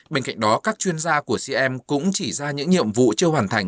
bên cạnh đó các chuyên gia của cm cũng chỉ ra những nhiệm vụ chưa hoàn thành